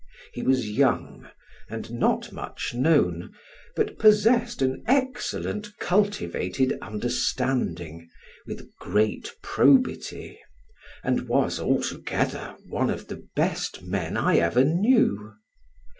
He was young, and not much known, but possessed an excellent cultivated understanding, with great probity, and was, altogether, one of the best men I ever knew.